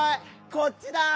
こっちだ！